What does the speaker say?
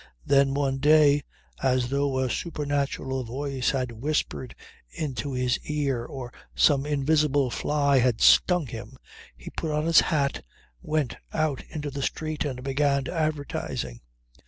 Then one day as though a supernatural voice had whispered into his ear or some invisible fly had stung him, he put on his hat, went out into the street and began advertising.